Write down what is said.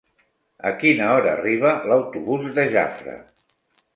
A quina hora arriba l'autobús de Jafre?